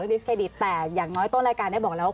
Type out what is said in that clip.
ดิสเครดิตแต่อย่างน้อยต้นรายการได้บอกแล้ว